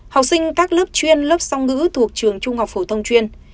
học sinh các lớp chuyên lớp song ngữ thuộc trường trung học phổ thông chuyên